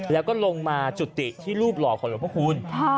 แล้วก็ลงมาจุติที่รูปหล่อของหลวงพระคุณ